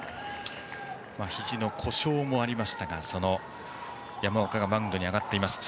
ひじの故障もありましたが山岡がマウンドに上がっています。